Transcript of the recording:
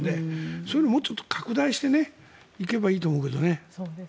そういうのをもっと拡大していけばいいと思うけどね。